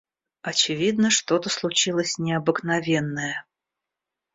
Очевидно, что-то случилось необыкновенное.